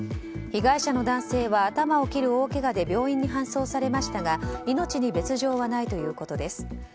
被害者の男性は頭を切る大けがで病院に搬送されましたが命に別条はないということです。